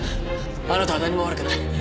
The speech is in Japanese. あなたは何も悪くない。